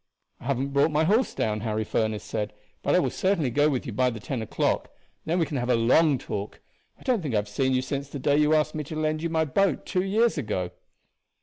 "I haven't brought my horse down," Harry Furniss said; "but I will certainly go with you by the ten o'clock. Then we can have a long talk. I don't think I have seen you since the day you asked me to lend you my boat two years ago."